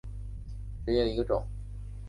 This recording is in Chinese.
直叶珠藓为珠藓科珠藓属下的一个种。